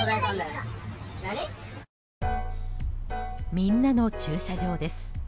みんなの駐車場です。